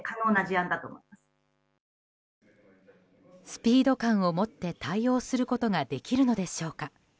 スピード感を持って対応することができるのでしょうか？